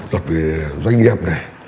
luật về doanh nghiệp này